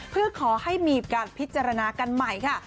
เพื่อขอให้มีการพิจารณากันใหม่ค่ะ